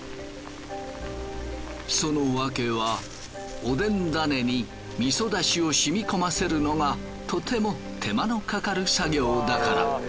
そのわけはおでんダネに味噌出汁をしみ込ませるのがとても手間のかかる作業だから。